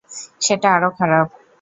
সেটা আরও খারাপ।